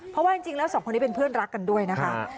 เพราะว่าจริงแล้วสองคนนี้เป็นเพื่อนรักกันด้วยนะคะ